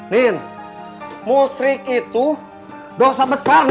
ninn musrik itu dosa besar untukmu